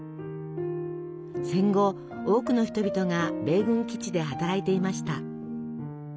戦後多くの人々が米軍基地で働いていました。